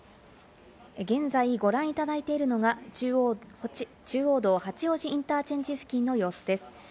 現在ご覧いただいているのが、中央道八王子インターチェンジ付近の様子です。